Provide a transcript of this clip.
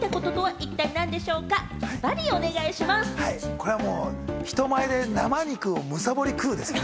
これはもう、人前で生肉を貪り食うですね。